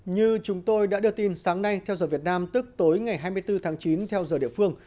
như chúng tôi đã đưa tin sáng nay theo giờ việt nam tức tối ngày hai mươi bốn tháng chín theo giờ địa phương